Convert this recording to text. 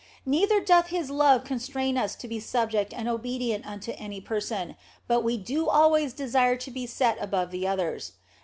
Neither doth His love constrain us to be subject and obedient unto any person, but we do always desire to be set above the others.